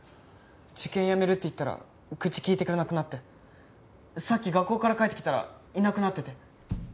受験やめるって言ったら口きいてくれなくなってさっき学校から帰ってきたらいなくなってて。